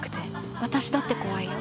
私だって怖いよ。